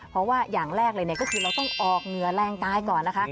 เพราะว่าอย่างแรกเลยก็คือเราต้องออกเหนือแรงกายก่อนนะคะ